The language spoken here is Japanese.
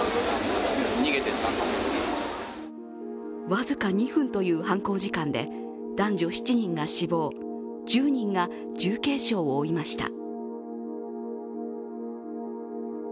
僅か２分という犯行時間で男女７人が死亡、１０人が重軽傷を負いました。